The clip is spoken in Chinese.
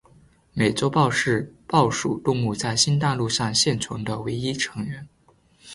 美洲豹是豹属动物在新大陆上现存的唯一成员。